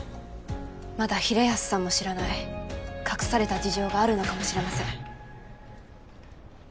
まだ平安さんも知らない隠された事情があるのかもしれません。